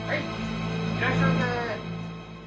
いらっしゃいませ。